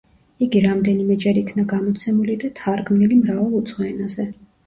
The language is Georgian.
იგი რამდენიმეჯერ იქნა გამოცემული და თარგმნილი მრავალ უცხო ენაზე.